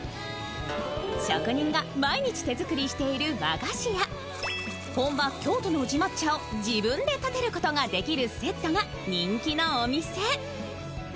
職人が毎日手作りしている和菓子や本場京都の宇治抹茶を自分でたてることができるセットが人気のお店。